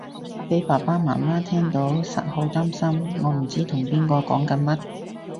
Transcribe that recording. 俾爸爸媽媽聽到實好擔心我唔知同邊個講緊乜